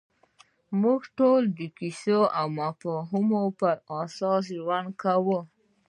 موږ ټول د کیسو او مفاهیمو پر اساس ژوند کوو.